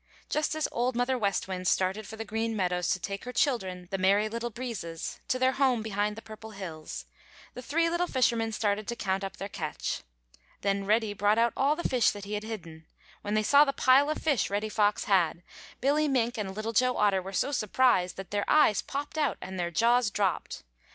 Just as Old Mother West Wind started for the Green Meadows to take her children, the Merry Little Breezes, to their home behind the Purple Hills, the three little fishermen started to count up their catch. Then Reddy brought out all the fish that he had hidden. When they saw the pile of fish Reddy Fox had, Billy Mink and Little Joe Otter were so surprised that their eyes popped out and their jaws dropped.